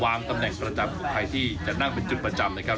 ตำแหน่งประจำของไทยที่จะนั่งเป็นจุดประจำนะครับ